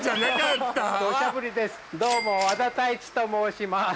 どうも和田泰一と申します。